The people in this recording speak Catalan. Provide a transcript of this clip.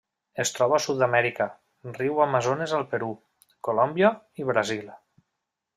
Es troba a Sud-amèrica: riu Amazones al Perú, Colòmbia i Brasil.